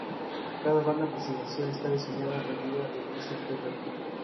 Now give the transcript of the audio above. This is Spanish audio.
Cada banda presidencial está diseñada a medida del presidente electo.